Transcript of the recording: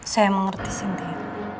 saya mengerti sendiri